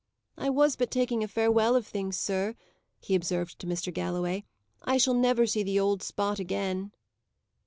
"I was but taking a farewell of things, sir," he observed to Mr. Galloway. "I shall never see the old spot again."